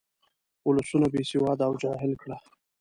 ولسونه بې سواده او جاهل کړه.